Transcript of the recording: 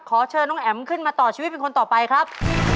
ขอเชิญน้องแอ๋มขึ้นมาต่อชีวิตเป็นคนต่อไปครับ